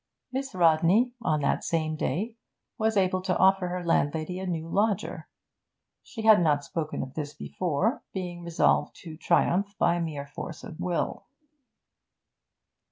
Miss Rodney, on that same day, was able to offer her landlady a new lodger. She had not spoken of this before, being resolved to triumph by mere force of will.